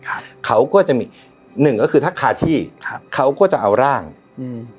ครับเขาก็จะมีหนึ่งก็คือถ้าคาที่ครับเขาก็จะเอาร่างอืม